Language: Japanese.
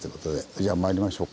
じゃあまいりましょう。